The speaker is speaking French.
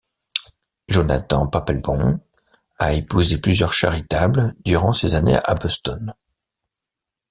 Jonathan Papelbon a épousé plusieurs charitables durant ses années à Boston.